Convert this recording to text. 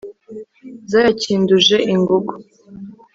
Zayakinduje ingogo